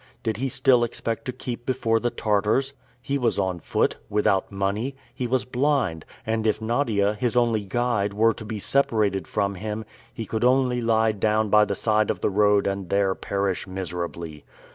Did he still expect to keep before the Tartars? He was on foot, without money; he was blind, and if Nadia, his only guide, were to be separated from him, he could only lie down by the side of the road and there perish miserably.